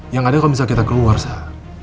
yang ada kalo misalkan kita keluar sah